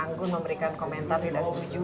anggun memberikan komentar tidak setuju